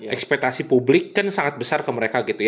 ekspetasi publik kan sangat besar ke mereka gitu